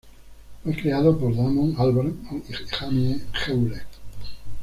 Fue creado por Damon Albarn y Jamie Hewlett.